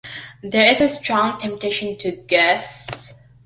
There is a strong temptation to "guess".